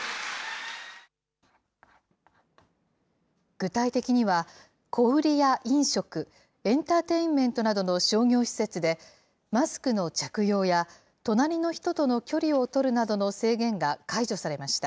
具体的には、小売りや飲食、エンターテインメントなどの商業施設で、マスクの着用や、隣の人との距離を取るなどの制限が解除されました。